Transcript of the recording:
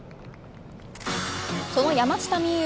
その山下美夢